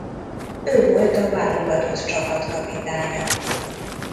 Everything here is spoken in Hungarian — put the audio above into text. Ő volt a válogatott csapatkapitánya.